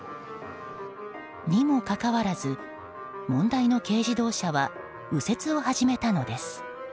にもかかわらず問題の軽自動車は右折を始めたのです。